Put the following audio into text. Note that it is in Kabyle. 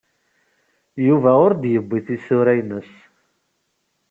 Yuba ur d-yuwiy tisura-nnes.